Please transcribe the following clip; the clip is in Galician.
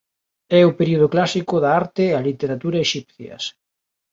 É o período clásico da arte e a literatura exipcias.